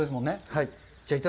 はい。